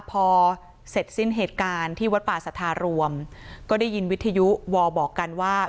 พอเสร็จสิ้นเหตุการณ์ที่วัดป่าสัทธารวมก็ได้ยินวิทยุวอบอกกันว่า